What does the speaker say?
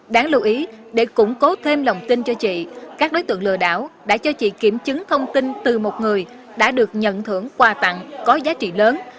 đáng lưu ý để củng cố thêm lòng tin cho chị các đối tượng lừa đảo đã cho chị kiểm chứng thông tin từ một người đã được nhận thưởng quà tặng có giá trị lớn